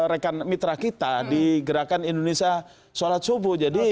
rekan mitra kita di gerakan indonesia sholat subuh